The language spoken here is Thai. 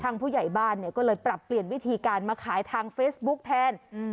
ผู้ใหญ่บ้านเนี่ยก็เลยปรับเปลี่ยนวิธีการมาขายทางเฟซบุ๊กแทนอืม